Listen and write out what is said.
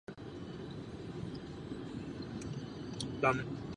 Za Paraguay nastupuje v seniorské reprezentaci.